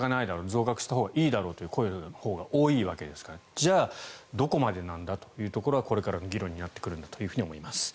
増額したほうがいいだろうという声のほうが多いわけですからじゃあどこまでなんだというところはこれからの議論になってくるんだと思います。